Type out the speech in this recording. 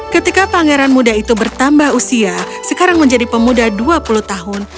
ketika pangeran muda itu bertambah usia sekarang menjadi pemuda dua puluh tahun